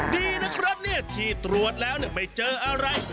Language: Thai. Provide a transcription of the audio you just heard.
ดีนะครับเนี่ยที่ตรวจแล้วไม่เจออะไร